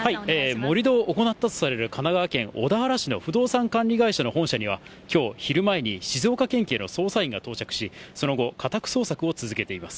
盛り土を行ったとされる神奈川県小田原市の不動産管理会社の本社には、きょう昼前に静岡県警の捜査員が到着し、その後、家宅捜索を続けています。